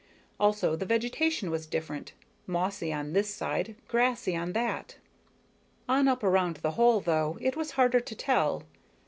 Also, the vegetation was different, mossy on this side, grassy on that. On up around the hole, though, it was harder to tell.